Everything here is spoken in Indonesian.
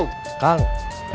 bilang ke kang murad